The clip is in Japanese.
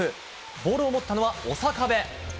ボールを持ったのは小酒部。